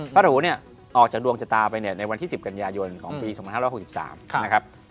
พระราโหรเนี่ยออกจากดวงจตาไปในวันที่๑๐กันยายนของปี๒๕๖๓นะครับ